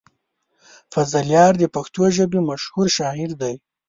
فضلیار د پښتو ژبې مشهور شاعر دی.